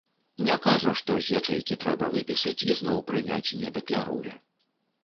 Не кажа, што з ячэйкі трэба выпісаць, і зноў прыняць не дакляруе.